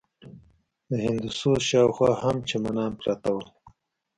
د هندوسوز شاوخوا هم چمنان پراته ول.